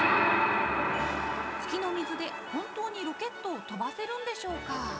月の水で本当にロケットを飛ばせるんでしょうか？